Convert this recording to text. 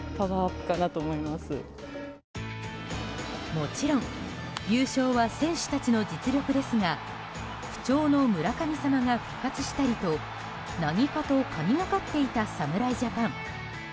もちろん、優勝は選手たちの実力ですが不調の村神様が復活したりと何かと神がかっていた侍ジャパン。